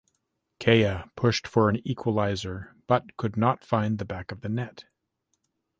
Kaya pushed for an equalizer but could not find the back of the net.